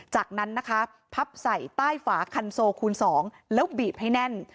จากนั้นนะคะพับใส่ใต้ฝาคันโซคูณ๒แล้วบีบให้แน่น